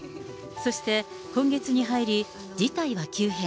そして、今月に入り、事態は急変。